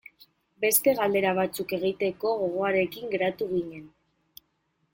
Beste galdera batzuk egiteko gogoarekin geratu ginen.